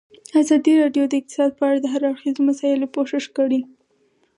ازادي راډیو د اقتصاد په اړه د هر اړخیزو مسایلو پوښښ کړی.